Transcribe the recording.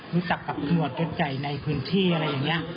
รู้จักกับตำรวจยศใหญ่ในพื้นที่อะไรอย่างนี้